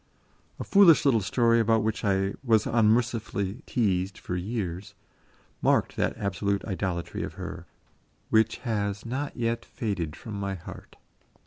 (A foolish little story, about which I was unmercifully teased for years, marked that absolute idolatry of her, which has not yet faded from my heart.